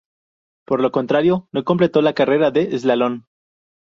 Por el contrario, no completó la carrera de eslalon.